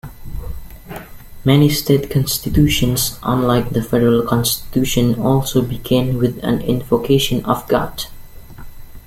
Many state constitutions, unlike the federal constitution, also begin with an invocation of God.